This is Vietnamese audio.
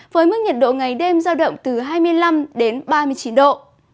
với mức nhiệt độ ngày đêm giao động từ hai mươi năm đến ba mươi chín độ